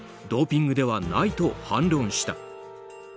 ドーピングではないと反論した。